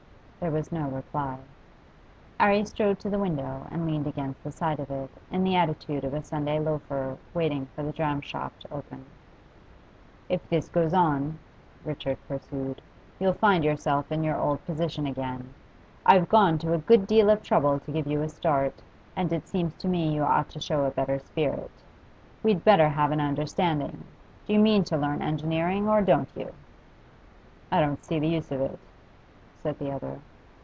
There was no reply. 'Arry strode to the window and leaned against the side of it, in the attitude of a Sunday loafer waiting for the dram shop to open. 'If this goes on,' Richard pursued, 'you'll find yourself in your old position again. I've gone to a good deal of trouble to give you a start, and it seems to me you ought to show a better spirit. We'd better have an understanding; do you mean to learn engineering, or don't you?' 'I don't see the use of it,' said the other.